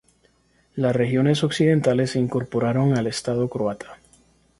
Las regiones occidentales se incorporaron al estado croata.